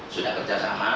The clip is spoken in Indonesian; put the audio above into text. sudah kerja sama